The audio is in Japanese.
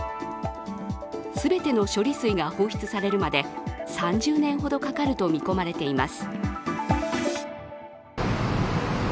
全ての処理水が放出されるまで３０年ほどかかると見込まれています。